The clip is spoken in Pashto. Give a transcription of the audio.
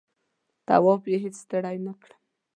طواف یې هېڅ ستړی نه کړم.